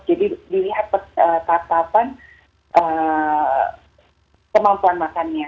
jadi dilihat tahapan kemampuan makannya